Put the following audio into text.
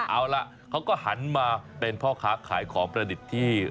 เอาล่ะเขาก็หันมาเป็นพ่อค้าขายของประดิษฐ์ที่